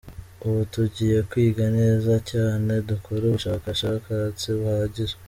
Ubu tugiye kwiga neza cyane dukore ubushakashatsi buhagije.